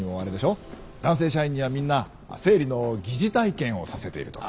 男性社員にはみんな生理の疑似体験をさせているとか。